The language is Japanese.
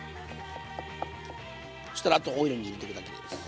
そしたらあとオイルに入れてくだけです。